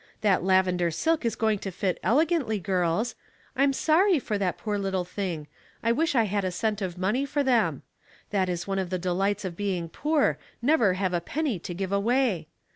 That lavender silk is going to fit elegantly, girls. I'm soiry for that poor little thing. I wisli I had a cent of money for them. That is one of the delights of being poor ; never have a penny to give away.